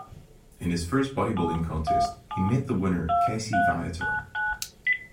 In his first bodybuilding contest, he met the winner, Casey Viator.